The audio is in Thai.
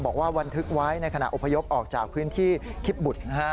บอกว่าบันทึกไว้ในขณะอพยพออกจากพื้นที่คิปบุช